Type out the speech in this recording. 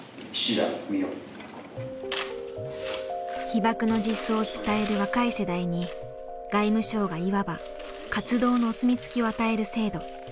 被爆の実相を伝える若い世代に外務省がいわば活動のお墨付きを与える制度。